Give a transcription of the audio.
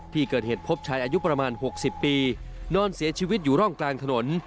ที่เกิดเหตุพบชายอายุประมาณ๖๐ปีนอนเสียชีวิตอยู่ร่องกลางถนน